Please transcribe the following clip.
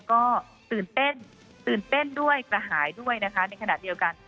ก็ตื่นเต้นตื่นเต้นด้วยกระหายด้วยนะคะในขณะเดียวกัน